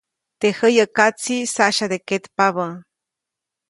Teʼ jäyäkatsiʼ saʼsyade ketpabä.